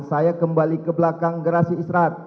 saya kembali ke belakang gerasi israt